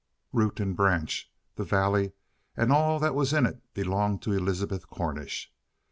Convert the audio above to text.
Root and branch, the valley and all that was in it belonged to Elizabeth Cornish.